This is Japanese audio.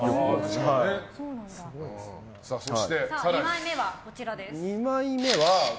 ２枚目はこちらです。